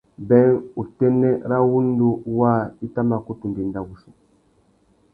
Being, utênê râ wŭndú waā i tà mà kutu ndénda wuchi.